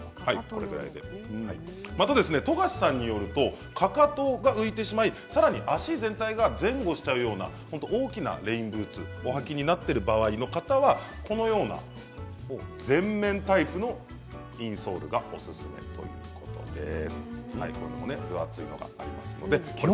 また富樫さんによるとかかとが浮いてしまいさらに足全体が前後しちゃうような大きなレインブーツをお履きになっている方はこのような全面タイプのインソールがおすすめということです。